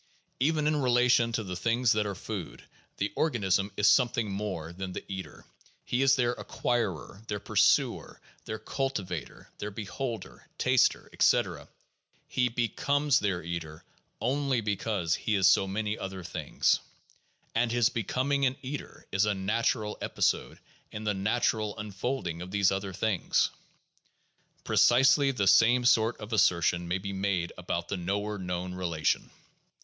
Even in relation to the things that are food, the organism is something more than their eater. He is their acquirer, their pursuer, their culti vator, their beholder, taster, etc. ; he becomes their eater only because he is so many other things. And his becoming an eater is a natural episode in the natural unfolding of these other things. Precisely the same sort of assertions may be made about the knower known relation.